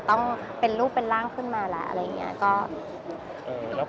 แค่เดือนเดือนแล้วมันสรุปว่ามันใกล้มากแล้ว